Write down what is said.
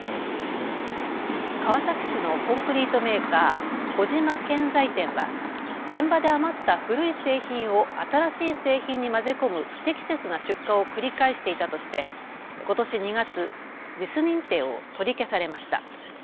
川崎市のコンクリートメーカー、小島建材店は現場で余った古い製品を新しい製品に混ぜ込む不適切な出荷を繰り返していたとしてことし２月、ＪＩＳ認定を取り消されました。